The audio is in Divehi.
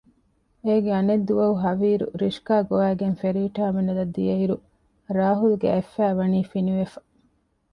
އޭގެ އަނެއް ދުވަހު ހަވީރު ރިޝްކާ ގޮވައިގެން ފެރީ ޓާމިނަލަށް ދިޔައިރު ރާހުލްގެ އަތް ފައި ވަނީ ފިނިވެފަ